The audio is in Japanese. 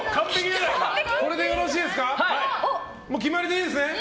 決まりでいいですね。